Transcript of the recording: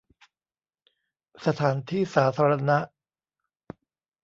สถานที่สาธารณะ